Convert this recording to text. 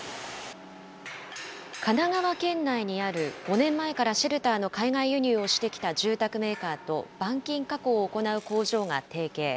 神奈川県内にある５年前からシェルターの海外輸入をしてきた住宅メーカーと、板金加工を行う工場が提携。